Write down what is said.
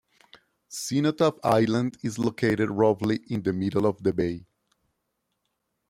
Cenotaph Island is located roughly in the middle of the bay.